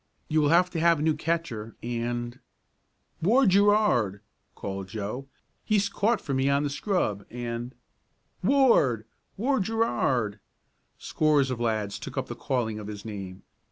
You will have to have a new catcher, and " "Ward Gerard!" called Joe. "He's caught for me on the scrub, and " "Ward! Ward Gerard!" Scores of lads took up the calling of his name.